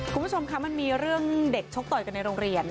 คุณผู้ชมคะมันมีเรื่องเด็กชกต่อยกันในโรงเรียน